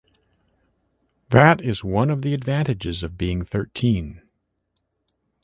That is one of the advantages of being thirteen.